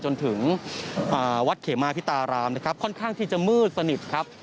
จนถึงวัดเขมาพิตารามนะครับค่อนข้างที่จะมืดสนิทครับ